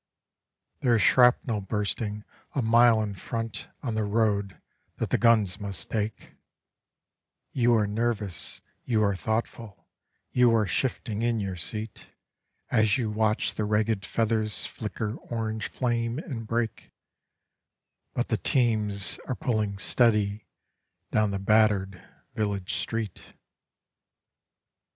There is shrapnel bursting a mile in front on the road that the guns must take: (You are nervous, you are thoughtful, you are shifting in your seat, As you watch the ragged feathers flicker orange flame and break) But the teams are pulling steady down the battered village street.